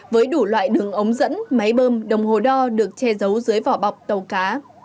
với đủ loại đường ống dẫn máy bơm đồng hồ đo được che giấu dưới vỏ bọc tàu cá